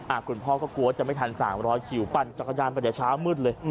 อ่ะคุณพ่อก็กลัวจะไม่ทัน๓๐๐คิวปั่นจักรยานไปจากเช้ามืดเลย